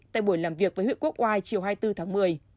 tại buổi làm việc với huyện quốc oai chiều hai mươi bốn tháng một mươi